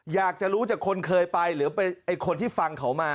อยากจะรู้จากคนเคยไปหรือไปไอ้คนที่ฟังเขามา